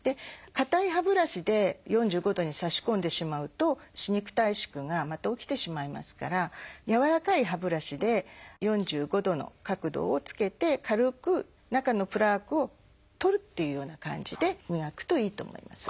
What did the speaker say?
かたい歯ブラシで４５度に差し込んでしまうと歯肉退縮がまた起きてしまいますからやわらかい歯ブラシで４５度の角度をつけて軽く中のプラークを取るっていうような感じで磨くといいと思います。